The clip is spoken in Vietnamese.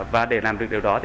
và để làm được điều đó